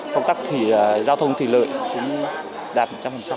công tác thì giao thông thì lợi cũng đạt một trăm linh